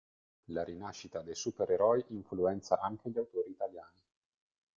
La rinascita dei supereroi influenza anche gli autori italiani.